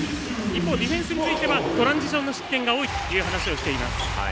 一方、ディフェンスについてはトランジションの失点が多いという話をしています。